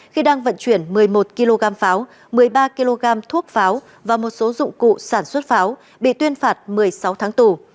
khi đang vận chuyển một mươi một kg pháo một mươi ba kg thuốc pháo và một số dụng cụ sản xuất pháo bị tuyên phạt một mươi sáu tháng tù